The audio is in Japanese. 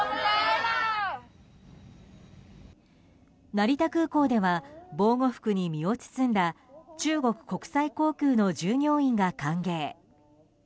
成田空港では防護服に身を包んだ中国国際航空の従業員が歓迎。